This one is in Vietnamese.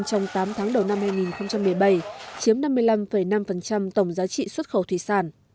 trong tám tháng đầu năm hai nghìn một mươi bảy chiếm năm mươi năm năm tổng giá trị xuất khẩu thủy sản